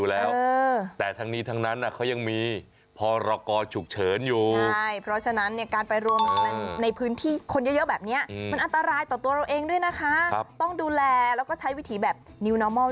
แล้วแถมเขาก็ไม่มีเคอร์ฟิล